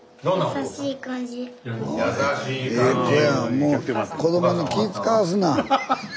もう子どもに気ぃ遣わすな。